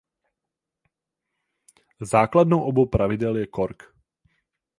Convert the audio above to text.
Základnou obou plavidel je Cork.